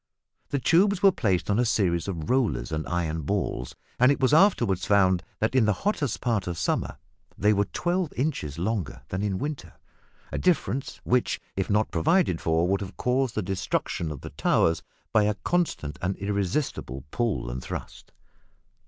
The tubes were placed on a series of rollers and iron balls, and it was afterwards found that in the hottest part of summer they were twelve inches longer than in winter a difference which, if not provided for, would have caused the destruction of the towers by a constant and irresistible pull and thrust!